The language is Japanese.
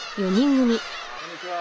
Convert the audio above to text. こんにちは。